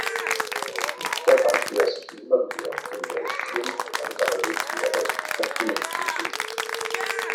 Später wandte er sich immer mehr den Weichtieren anderer Weltmeere und Kontinente zu.